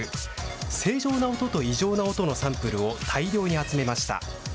正常な音と異常な音のサンプルを大量に集めました。